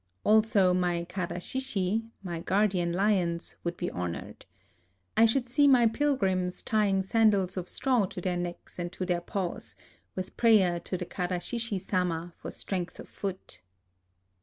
Also my Karashishi, my guardian lions, would be honored. I should see my pilgrims tying sandals of straw to their necks and to their paws, with prayer to the Karashishi Sama for strength of foot.